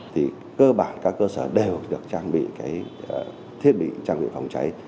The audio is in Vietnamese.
thì cơ bản các cơ sở đều được trang bị thiết bị trang bị phòng cháy